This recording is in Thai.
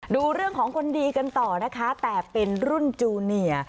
ดูเรื่องของคนดีกันต่อนะคะแต่เป็นรุ่นจูเนีย